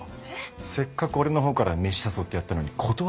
せっかく俺のほうから飯誘ってやったのに断りやがってさ。